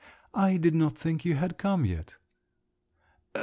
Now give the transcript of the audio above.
"I did not think you had come yet."